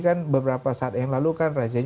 kan beberapa saat yang lalu kan razia